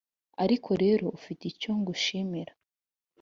Ariko rero ufite icyo ngushimira,